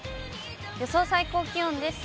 予想最高気温です。